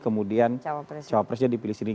kemudian cawapresnya dipilih sendiri